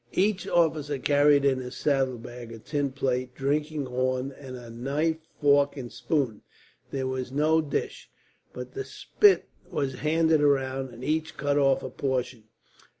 Each officer carried in his saddlebag a tin plate, a drinking horn, and a knife, fork, and spoon. There was no dish, but the spit was handed round, and each cut off a portion.